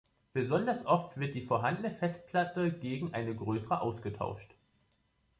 Besonders oft wird die vorhandene Festplatte gegen eine größere ausgetauscht.